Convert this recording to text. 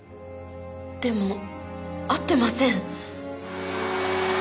でも会ってません。